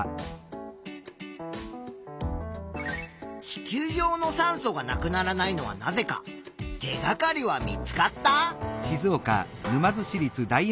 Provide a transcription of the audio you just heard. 地球上の酸素がなくならないのはなぜか手がかりは見つかった？